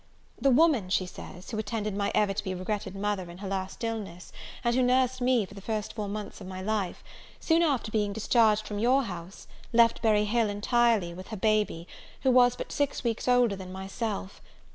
The woman, she says, who attended my ever to be regretted mother in her last illness, and who nursed me the first four months of my life, soon after being discharged from your house, left Berry Hill entirely, with her baby, who was but six weeks older than myself.